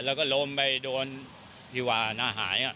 แล้วก็ล้มไปโดนที่ว่าหน้าหาย